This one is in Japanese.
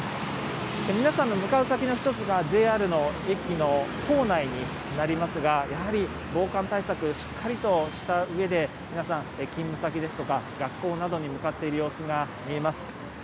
皆さんの向かう先の一つが、ＪＲの駅の構内になりますが、やはり、防寒対策しっかりとしたうえで、皆さん、勤務先ですとか学校などに向かっている様子が見えます。